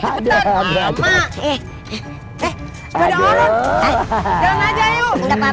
gapapa minum sebentaran